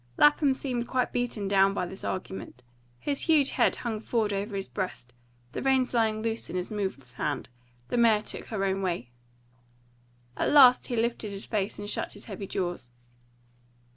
Lapham seemed quite beaten down by this argument. His huge head hung forward over his breast; the reins lay loose in his moveless hand; the mare took her own way. At last he lifted his face and shut his heavy jaws.